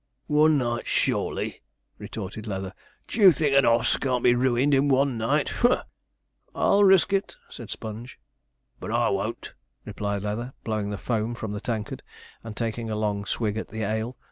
'One night surely!' retorted Leather. 'D'ye think an oss can't be ruined in one night? humph!' 'I'll risk it,' said Sponge. 'But I won't,' replied Leather, blowing the foam from the tankard, and taking a long swig at the ale.